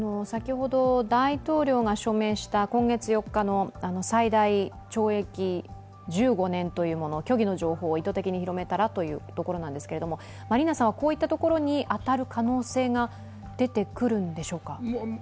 大統領が署名した今月４日の最大懲役１５年というもの虚偽の情報を意図的に広めたらというところなんですけれども、マリーナさんはこういったところに当たる可能性が出てくるんでしょうか？